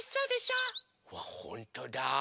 うわほんとだ。